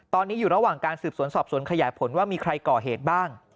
ตอนนี้อยู่ระหว่างการสืบสวนสอบสวนขยายผลว่ามีใครก่อเหตุบ้าง